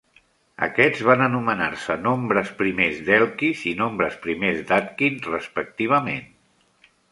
Aquests van anomenar-se nombres primers d'Elkies i nombres primers d'Atkin respectivament.